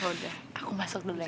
yaudah aku masuk dulu aja